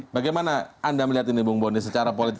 bagaimana anda melihat ini bung boni secara politik